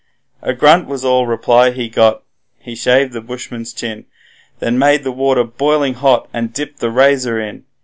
A grunt was all reply he got; he shaved the bushman's chin, Then made the water boiling hot and dipped the razor in.